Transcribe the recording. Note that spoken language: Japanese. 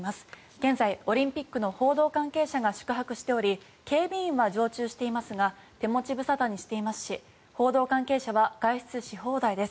現在、オリンピックの報道関係者が宿泊しており警備員は常駐していますが手持ち無沙汰にしていますし報道関係者は外出し放題です。